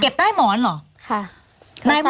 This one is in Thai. เก็บใต้หมอนเหรอ